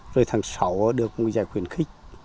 rồi tháng sáu là được giải khuyến khích